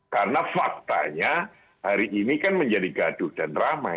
karena faktanya hari ini kan menjadi gaduh dan ramai